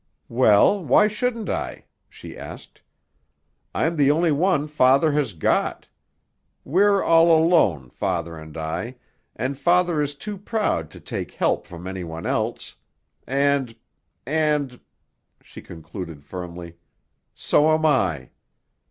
"Well, why shouldn't I?" she asked. "I'm the only one father has got. We're all alone, father and I; and father is too proud to take help from any one else; and—and," she concluded firmly, "so am I.